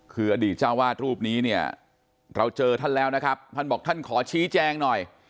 คืออดีตเจ้าวาดรูปนี้เนี่ยเราเจอท่านแล้วนะครับท่านบอกท่านขอชี้แจงหน่อย